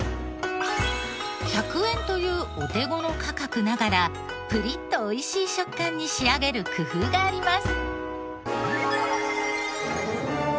１００円というお手頃価格ながらプリッとおいしい食感に仕上げる工夫があります。